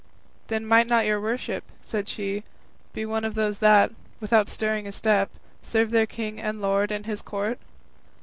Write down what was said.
"Then might not your worship," said she, "be one of those that, without stirring a step, serve their king and lord in his court?"